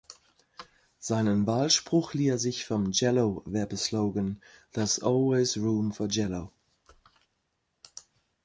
Seinen Wahlspruch lieh er sich vom Jell-O Werbeslogan „"There's always room for Jello"“.